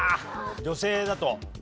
女性だと。